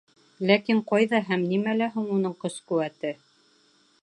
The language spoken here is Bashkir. Ләкин ҡайҙа һәм нимәлә һуң уның көс-ҡеүәте?